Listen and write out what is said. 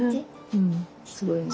うんすごいね。